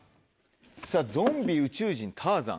ゾンビ宇宙人ターザン。